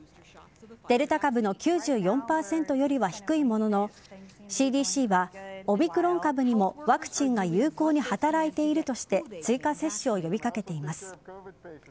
デルタ株の９４％よりは低いもののＣＤＣはオミクロン株にもワクチンが有効に働いているとして追加接種を呼び掛けています。